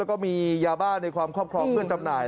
แล้วก็มียาบ้าในความครอบครองเพื่อจำหน่าย